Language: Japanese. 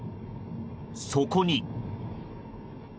そこに。